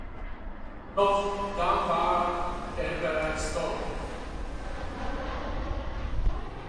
Doch da war er bereits tot.